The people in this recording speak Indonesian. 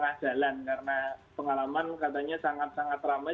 karena pengalaman katanya sangat sangat ramai